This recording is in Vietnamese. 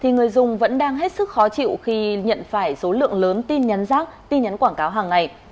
người dùng vẫn đang hết sức khó chịu khi nhận phải số lượng lớn tin nhắn rác tin nhắn quảng cáo hàng ngày